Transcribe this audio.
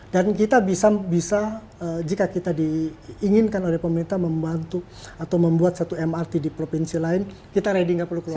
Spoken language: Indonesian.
kita bisa jika kita diinginkan oleh pemerintah membantu atau membuat satu mrt di provinsi lain kita reading nggak perlu keluar